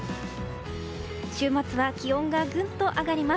週末は気温がぐんと上がります。